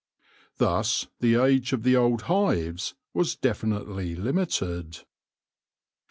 Thus the age of the old hives was definitely limited.